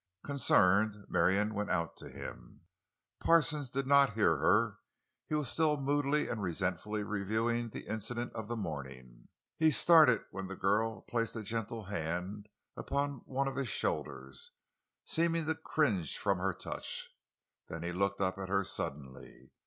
Concerned, Marion went out to him. Parsons did not hear her; he was still moodily and resentfully reviewing the incident of the morning. He started when the girl placed a gentle hand on one of his shoulders, seeming to cringe from her touch; then he looked up at her suddenly.